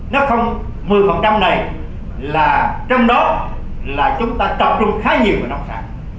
nó không một mươi này là trong đó là chúng ta tập trung khá nhiều vào nông sản